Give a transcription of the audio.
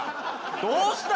どうした？